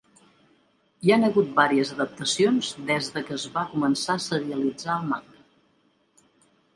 Hi han hagut vàries adaptacions des de que es va començar a serialitzar el manga.